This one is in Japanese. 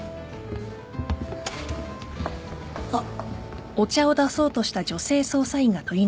あっ。